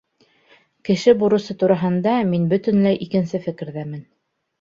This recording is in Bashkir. Кеше бурысы тураһында мин бөтөнләй икенсе фекерҙәмен.